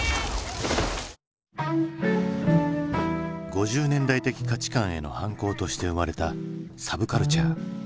５０年代的価値観への反抗として生まれたサブカルチャー。